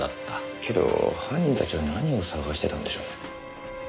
けど犯人たちは何を探してたんでしょう？